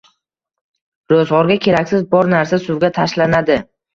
Ro‘zg‘orga keraksiz bor narsa suvga tashlanadi